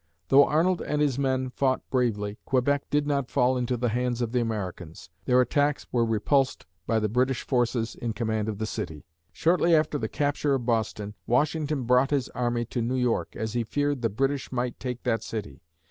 Though Arnold and his men fought bravely, Quebec did not fall into the hands of the Americans. Their attacks were repulsed by the British forces in command of the city. Shortly after the capture of Boston, Washington brought his army to New York, as he feared the British might take that city.